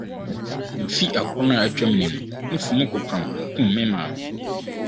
Mfe akron a atwam ni no, nufu mu kokoram kum me maame.